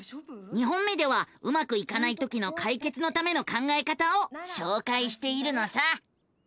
２本目ではうまくいかないときの解決のための考えた方をしょうかいしているのさ。